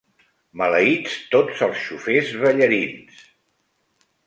Maleïts tots els xofers ballarins!